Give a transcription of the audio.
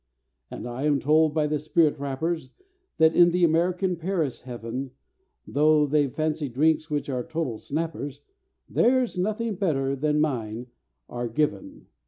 "And I am told by the spirit rappers That in the American Paris heaven, Though they've fancy drinks which are total snappers, There's nothing better than mine are given.